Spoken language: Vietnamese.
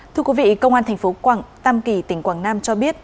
thưa quý vị công an thành phố quảng tam kỳ tỉnh quảng nam cho biết